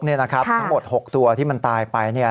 ทั้งหมด๖ตัวที่มันตายไป